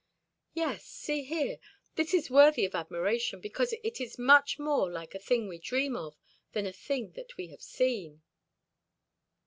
Yes, see here, this is worthy of admiration because it is much more like a thing we dream of than a thing that we have seen."